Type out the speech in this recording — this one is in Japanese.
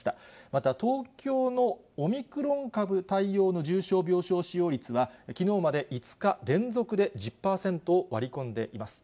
また東京のオミクロン株対応の重症病床使用率は、きのうまで５日連続で１０％を割り込んでいます。